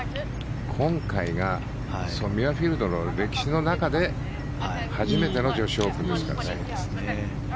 今回がミュアフィールドの歴史の中で初めての女子オープンですからね。